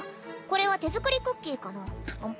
これは手作りクッキーかのうあむっ。